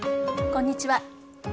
こんにちは。